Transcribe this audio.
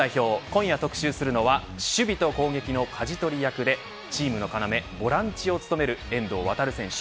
今夜特集するのは、守備と攻撃のかじ取り役で、チームの要ボランチを務める遠藤航選手。